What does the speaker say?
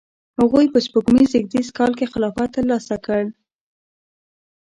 هغوی په سپوږمیز زیږدیز کال کې خلافت ترلاسه کړ.